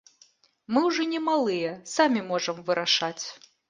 Мы ўжо не малыя, самі можам вырашаць.